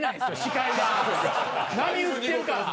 波打ってるから。